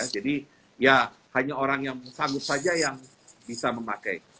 jadi ya hanya orang yang sanggup saja yang bisa memakai